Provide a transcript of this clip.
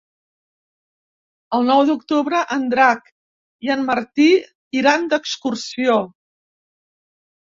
El nou d'octubre en Drac i en Martí iran d'excursió.